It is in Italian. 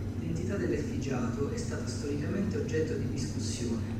L'identità dell'effigiato è stata storicamente oggetto di discussione.